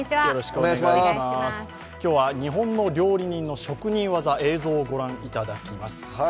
今日は日本の料理人の職人技、映像を御覧いただきます。